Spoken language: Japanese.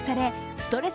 ストレス